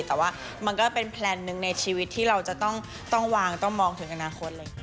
แต่ว่ามันก็เป็นแพลนหนึ่งในชีวิตที่เราจะต้องวางต้องมองถึงอนาคตเลย